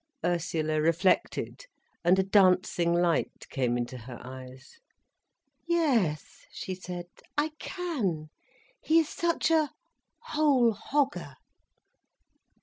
Ursula reflected, and a dancing light came into her eyes. "Yes," she said. "I can. He is such a whole hogger."